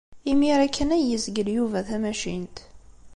Imir-a kan ay yezgel Yuba tamacint.